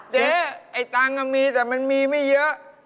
เจ๊ไอ้ตังค์มีแต่มันมีไม่เยอะ